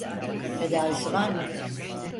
Tedavisi var mı?